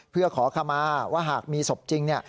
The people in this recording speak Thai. เพื่อขอคำมาว่าหากมีศพจริงเนี่ย